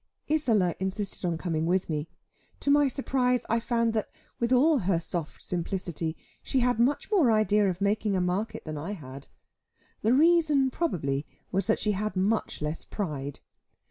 Isola insisted on coming with me; to my surprise I found that, with all her soft simplicity she had much more idea of making a market than I had. The reason probably was that she had much less pride.